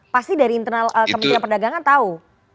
pasti dari internal kementerian perdagangan tahu